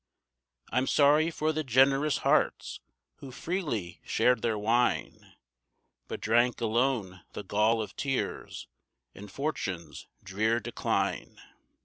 I'm sorry for the generous hearts who freely shared their wine, But drink alone the gall of tears in fortune's drear decline.